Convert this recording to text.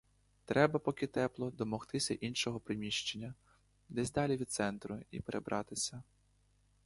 Треба, поки тепло, домогтися іншого приміщення, десь далі від центру, і перебратися.